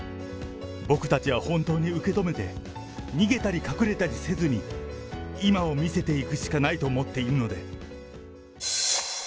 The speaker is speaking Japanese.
僕たちは本当に受け止めて、逃げたり隠れたりせずに、今を見せていくしかないと思っているので。